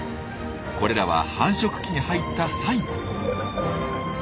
これらは繁殖期に入ったサイン。